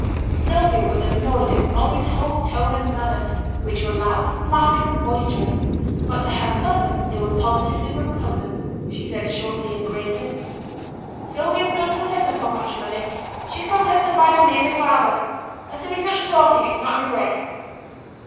Sylvia was annoyed at Molly's whole tone and manner, which were loud, laughing, and boisterous; but to her mother they were positively repugnant. She said shortly and gravely, 'Sylvia's none so set upo' matrimony; she's content to bide wi' me and her father. Let a be such talking, it's not i' my way.'